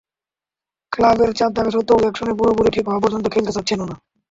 ক্লাবের চাপ থাকা সত্ত্বেও অ্যাকশন পুরোপুরি ঠিক হওয়া পর্যন্ত খেলতে চাচ্ছেনও না।